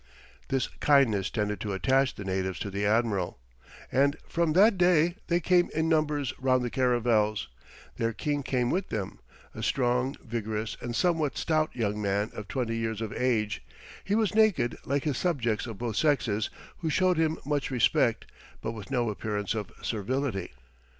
This kindness tended to attach the natives to the admiral, and from that day they came in numbers round the caravels; their king came with them, a strong, vigorous, and somewhat stout young man of twenty years of age; he was naked, like his subjects of both sexes, who showed him much respect, but with no appearance of servility.